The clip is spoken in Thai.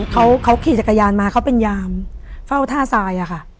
เขาขี่จักรยานมาเขาเป็นยามเฝ้าท่าทรายอะค่ะ